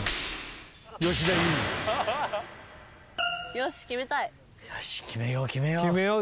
よし決めよう決めよう。